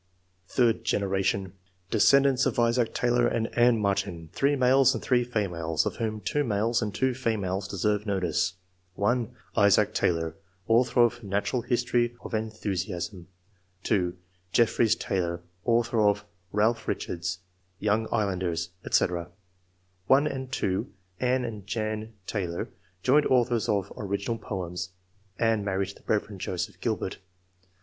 Third generation. — Descendants of Isaac Taylor and Ann Martyn, 3 males and 3 females, of whom 2 males and 2 females deserve notice: — (1) Isaac Taylor, author of "Natural History of Enthusiasm;" (2) Jeflfreys Taylor, author of Ealph Richards," " Young Islanders," &c. ; (i) and (j?), Ann and Jane Taylor, joint authors of "Original Poems" (Ann married the Rev. Joseph Gilbert).